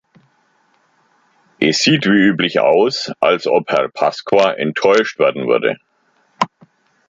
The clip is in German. Es sieht wie üblich so aus, als ob Herr Pasqua enttäuscht werden würde.